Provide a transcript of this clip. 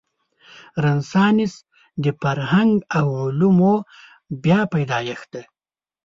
رنسانس د فرهنګ او علومو بیا پیدایښت دی.